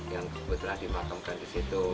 yang kebetulan dimakamkan di situ